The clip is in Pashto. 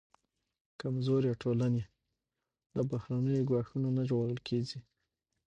کمزورې ټولنې له بهرنیو ګواښونو نه ژغورل کېږي.